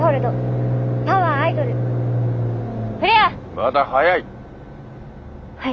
まだ早い。